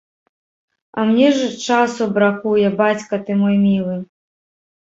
А мне ж часу бракуе, бацька ты мой мілы!